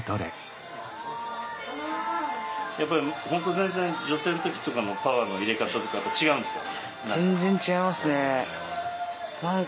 やっぱり全然女性の時のパワーの入れ方とやっぱ違うんですか？